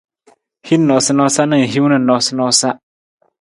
Hin noosanoosa na hiwung na noosanoosa.